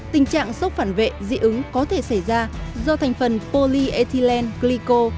tình trạng sốc phản vệ dị ứng có thể xảy ra do thành phần polyethylene glycol